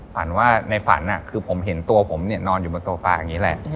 ฝันว่าในฝันคือผมเห็นตัวผมนอนอยู่บนโซฟาอย่างนี้แหละ